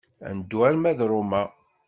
Ad neddu arma d Roma.